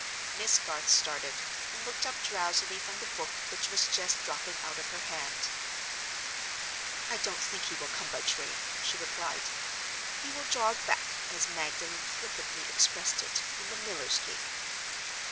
Miss Garth started, and looked up drowsily from the book which was just dropping out of her hand. "I don't think he will come by train," she replied. "He will jog back—as Magdalen flippantly expressed it—in the miller's gig."